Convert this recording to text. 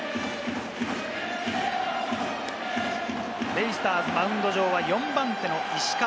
ベイスターズ、マウンド上は４番手の石川。